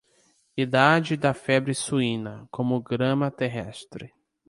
Idade da febre suína como grama terrestre.